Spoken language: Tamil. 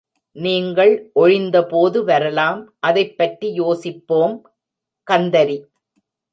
நீங்கள் ஒழிந்தபோது வரலாம். அதைப் பற்றி யோசிப்போம் கந்தரி.